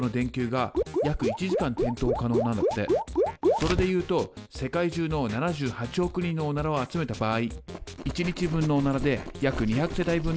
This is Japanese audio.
それで言うと世界中の７８億人のオナラを集めた場合１日分のオナラで約２００世帯分の発電が可能。